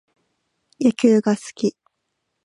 野球が好き